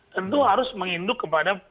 tentu harus menginduk kepada